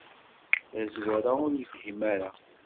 Tazwara ur yefhim ara.